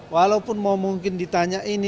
walaupun mau mungkin ditanyain